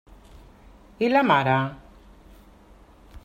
I la mare?